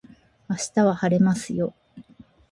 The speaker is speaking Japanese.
明日は晴れますよ